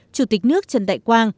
chủ tịch nước trần đại quang